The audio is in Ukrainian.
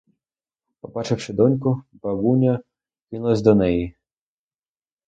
Побачивши доньку, бабуня кинулась до неї.